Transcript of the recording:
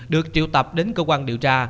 được triệu tập đến cơ quan điều tra